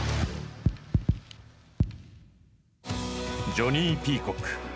ジョニー・ピーコック。